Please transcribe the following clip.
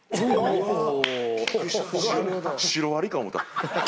シロアリか思た。